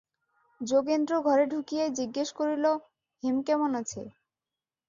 যোগেন্দ্র ঘরে ঢুকিয়াই জিজ্ঞাসা করিল, হেম কেমন আছে?